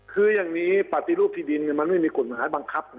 คืออย่างนี้ปฏิรูปที่ดินมันไม่มีกฎหมายบังคับ